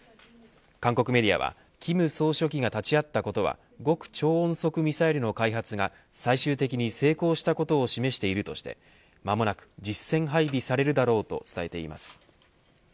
韓国メディアは金総書が立ち会ったことは極超音速ミサイルの開発が最終的に成功したことを示しているとして間もなく実戦配備されるだろうと伝えています。